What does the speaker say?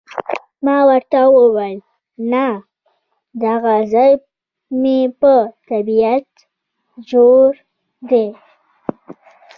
ما ورته وویل، نه، دغه ځای مې په طبیعت جوړ دی.